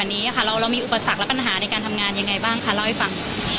อันนี้ค่ะเรามีอุปสรรคและปัญหาในการทำงานยังไงบ้างคะเล่าให้ฟัง